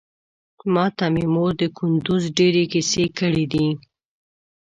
ماته مې مور د کندوز ډېرې کيسې کړې دي.